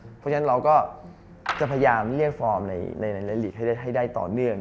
เพราะฉะนั้นเราก็จะพยายามเรียกฟอร์มในหลีกให้ได้ต่อเนื่อง